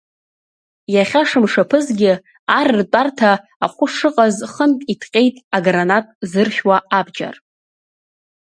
Иахьа шымшаԥызгьы, Ар ртәарҭа ахәы шыҟаз хынтә иҭҟьеит агранат зыршәуа абџьар.